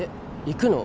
行くの？